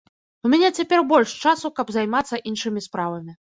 У мяне цяпер больш часу, каб займацца іншымі справамі.